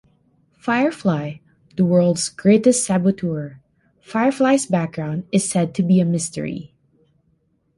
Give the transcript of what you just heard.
Firefly - The world's greatest saboteur, Firefly's background is said to be a mystery.